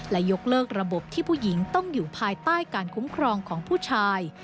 และยกเลิกระบบที่ผู้หญิงต้องอยู่ภายใต้การคุ้มครองของผู้ชาย